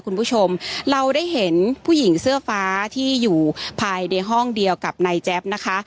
คุณผู้ชมเราได้เห็นผู้หญิงเสื้อฟ้าที่อยู่ภายในห้องเดียวกับนายแจ๊บนะคะ